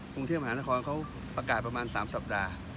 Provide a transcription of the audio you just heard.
กรุงเทพมหานครเขาประกาศประมาณ๓สัปดาห์